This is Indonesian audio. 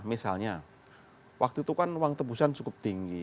misalnya waktu itu kan uang tebusan cukup tinggi